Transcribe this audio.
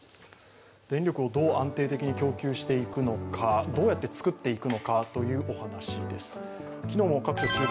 電力をどう安定的に供給していくのか、どうやって作っていくのかというお話です。